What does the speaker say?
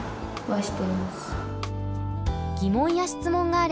はい。